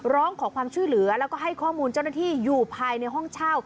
ร้องขอความช่วยเหลือแล้วก็ให้ข้อมูลเจ้าหน้าที่อยู่ภายในห้องเช่า